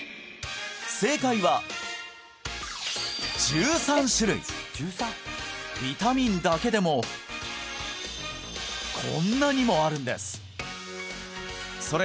正解は１３種類ビタミンだけでもこんなにもあるんですそれ